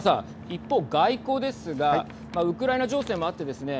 一方、外交ですがウクライナ情勢もあってですね